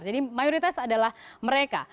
jadi mayoritas adalah mereka